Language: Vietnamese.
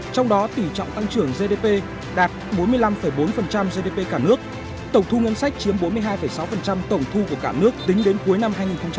trong đó tỉ trọng tăng trưởng gdp đạt bốn mươi năm bốn gdp cả nước tổng thu ngân sách chiếm bốn mươi hai sáu tổng thu của cả nước tính đến cuối năm hai nghìn một mươi tám